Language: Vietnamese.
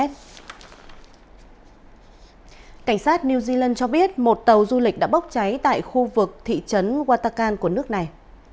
cảnh sát new zealand cho biết một tàu du lịch đã bốc cháy tại khu vực thị trấn watakan của nước này